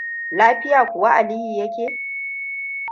Lafiya kuwa Aliyu ya ke?